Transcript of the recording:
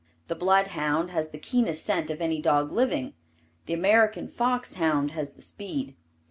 The blood hound has the keenest scent of any dog living. The American fox hound has the speed.